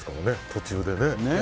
途中でね。